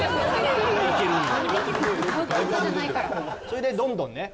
それでどんどんね